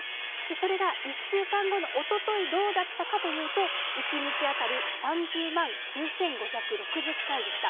それが１週間後のおととい、どうだったかというと、１日当たり３０万９５６０回でした。